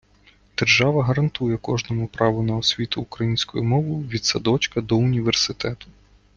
Держава гарантує кожному право на освіту українською мовою від садочка до університету.